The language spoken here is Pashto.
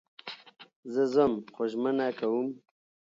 زه ځم خو ژمنه کوم